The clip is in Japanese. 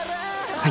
はい。